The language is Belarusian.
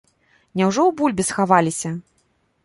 Няўжо ў бульбе схаваліся?